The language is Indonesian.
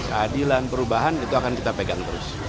keadilan perubahan itu akan kita pegang terus